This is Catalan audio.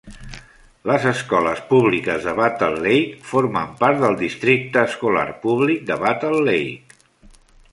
Les escoles públiques de Battle Lake formen part del districte escolar públic de Battle Lake.